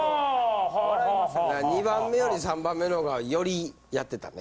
２番目より３番目の方がよりやってたね。